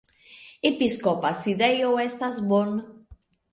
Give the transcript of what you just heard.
Episkopa sidejo estas Bonn.